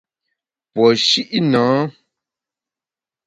Puo shi’ nâ.